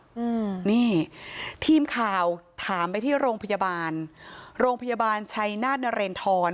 อืมนี่ทีมข่าวถามไปที่โรงพยาบาลโรงพยาบาลชัยนาธนเรนทร